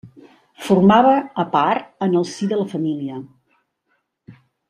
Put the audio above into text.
Formava a part en el si de la família.